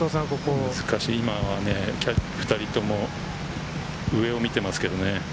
今は２人とも上を見ていますけどね。